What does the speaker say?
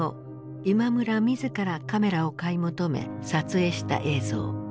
今村自らカメラを買い求め撮影した映像。